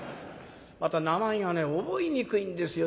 また名前がね覚えにくいんですよ。